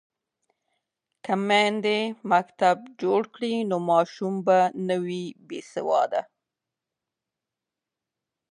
که میندې مکتب جوړ کړي نو ماشوم به نه وي بې سواده.